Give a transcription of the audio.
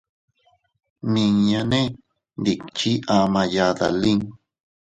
Miña nee ndikche ama yadalin.